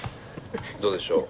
どうでしょう？